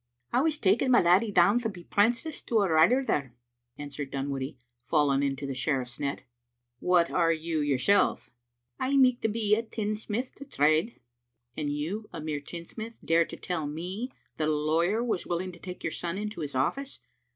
I was taking my laddie down to be prenticed to a writer there," answered Dunwoodie, falling into the sheriff's net. " What are you yourself?" " I micht be a tinsmith to trade." " And you, a mere tinsmith, dare to tell me that a lawyer was willing to take your son into his office?